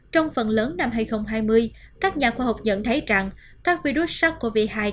trong phần lớn năm hai nghìn hai mươi các nhà khoa học nhận thấy rằng các virus sars cov hai